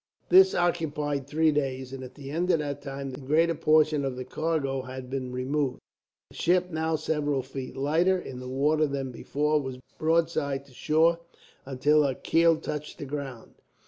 This occupied three days, and at the end of that time the greater portion of the cargo had been removed. The ship, now several feet lighter in the water than before, was brought broadside to shore until her keel touched the ground.